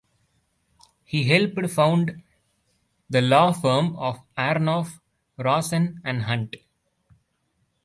He helped found the law firm of Aronoff, Rosen and Hunt.